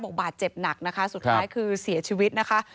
บาดเจ็บหนักนะคะสุดท้ายคือเสียชีวิตนะคะ